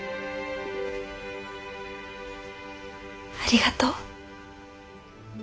ありがとう。